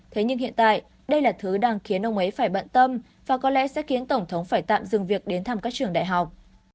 thế nhưng hiện tại đây là thứ đang khiến ông ấy phải bận tâm và có lẽ sẽ khiến tổng thống phải tạm dừng việc đến thăm các trường đại học